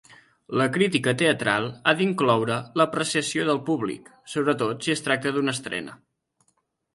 La crítica teatral ha d'incloure l'apreciació del públic, sobretot si es tracta d'una estrena.